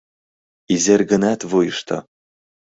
Изергынат вуйышто